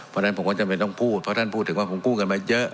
เพราะฉะนั้นผมควรจะไม่ต้องพูดเพราะฉะนั้นพูดถึงว่าผมกู้กันมาเยอะ